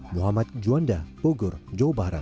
muhammad juanda bogor jawa barat